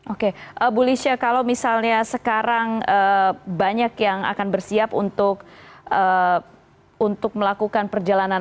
oke bu lisha kalau misalnya sekarang banyak yang akan bersiap untuk melakukan perjalanan